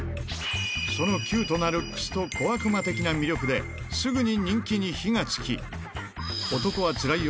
そのキュートなルックスと小悪魔的な魅力で、すぐに人気に火がつき、男はつらいよ